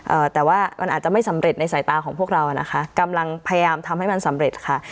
เอ่อแต่ว่ามันอาจจะไม่สำเร็จในสายตาของพวกเราอ่ะนะคะกำลังพยายามทำให้มันสำเร็จค่ะ